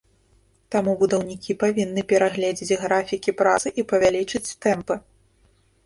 Таму будаўнікі павінны перагледзець графікі працы і павялічыць тэмпы.